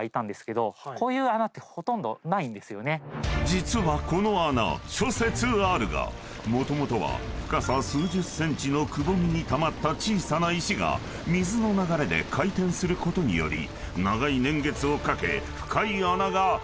［実はこの穴諸説あるがもともとは深さ数十ｃｍのくぼみにたまった小さな石が水の流れで回転することにより長い年月をかけ深い穴が掘られたという］